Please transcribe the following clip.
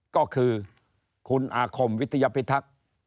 ก็คือคุณอาคมวิทยาพิทักษ์